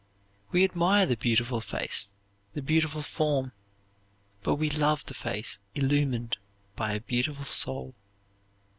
We admire the beautiful face, the beautiful form, but we love the face illumined by a beautiful soul.